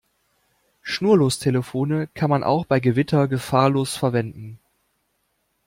Schnurlostelefone kann man auch bei Gewitter gefahrlos verwenden.